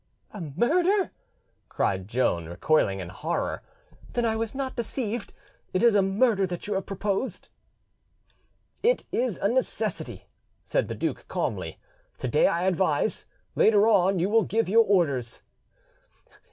"A murder!" cried Joan, recoiling in horror: "then I was not deceived; it is a murder that you have proposed." "It is a necessity," said the duke calmly: "today I advise; later on you will give your orders."